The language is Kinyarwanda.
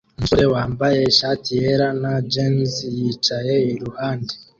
Umusore wambaye ishati yera na jans yicaye iruhande